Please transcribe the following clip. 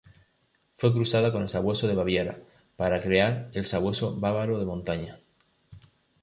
Fue cruzada con el "sabueso de Baviera" para crear el Sabueso bávaro de montaña.